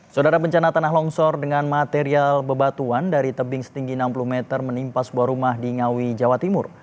saudara bencana tanah longsor dengan material bebatuan dari tebing setinggi enam puluh meter menimpa sebuah rumah di ngawi jawa timur